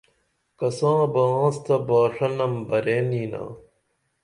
کساں بہ آنس تہ باݜہ نم برین ینا